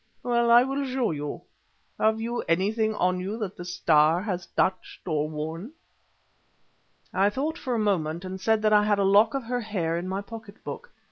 Well, I will show you. Have you anything on you that the Star has touched or worn?" I thought for a moment, and said that I had a lock of her hair in my pocket book.